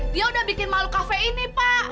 dia udah bikin malu kafe ini pak